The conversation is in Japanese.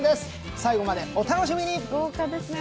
最後までお楽しみに！